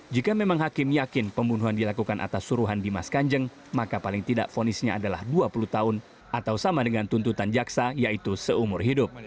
jika memang hakim yakin pembunuhan dilakukan atas suruhan dimas kanjeng maka paling tidak fonisnya adalah dua puluh tahun atau sama dengan tuntutan jaksa yaitu seumur hidup